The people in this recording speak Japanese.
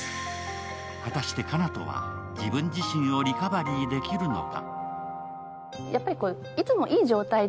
果たして、奏斗は自分自身をリカバリーできるのか。